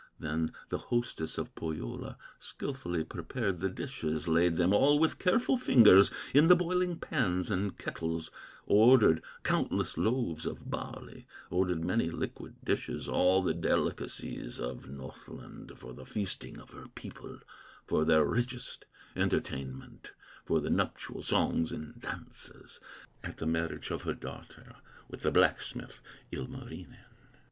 Then the hostess of Pohyola Skilfully prepared the dishes, Laid them all with careful fingers In the boiling pans and kettles, Ordered countless loaves of barley, Ordered many liquid dishes, All the delicacies of Northland, For the feasting of her people, For their richest entertainment, For the nuptial songs and dances, At the marriage of her daughter With the blacksmith, Ilmarinen.